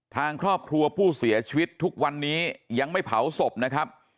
ทางครอบครัวผู้เสียชีวิตทุกวันนี้ยังไม่เผาศพนะครับ